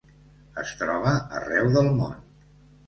Es troba arreu del món.